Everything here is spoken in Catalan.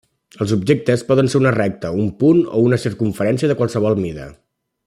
Els objectes poden ser una recta, un punt o una circumferència de qualsevol mida.